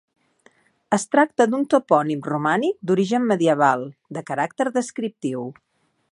Es tracta d'un topònim romànic, d'origen medieval, de caràcter descriptiu.